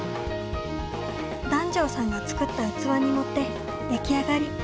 檀上さんが作った器に盛って出来上がり。